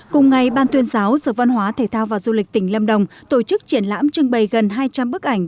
cùng ngày ban tuyên giáo sở văn hóa thể thao và du lịch tỉnh lâm đồng tổ chức triển lãm trưng bày gần hai trăm linh bức ảnh